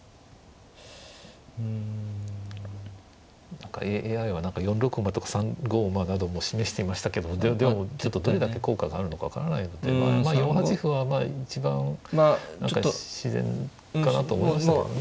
何かＡＩは４六馬とか３五馬なども示していましたけどでもどれだけ効果があるのか分からないので４八歩はまあ一番自然かなと思いましたけどね。